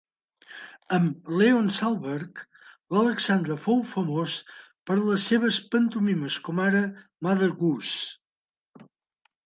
Amb Leon Salberg, l'Alexandra fou famós per els seves pantomimes, com ara "Mother Goose".